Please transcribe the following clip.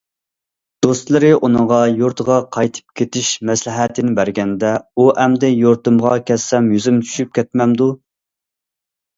دوستلىرى ئۇنىڭغا يۇرتىغا قايتىپ كېتىش مەسلىھەتىنى بەرگەندە، ئۇ ئەمدى يۇرتۇمغا كەتسەم يۈزۈم چۈشۈپ كەتمەمدۇ؟!